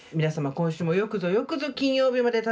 今週もよくぞよくぞ金曜日までたどりつきました！